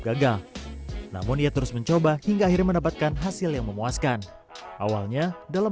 gagal namun ia terus mencoba hingga akhirnya mendapatkan hasil yang memuaskan awalnya dalam